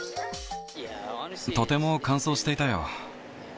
とても乾燥していたよ。